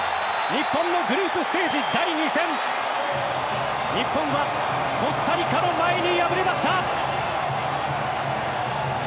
日本のグループステージ第２戦日本はコスタリカの前に敗れました。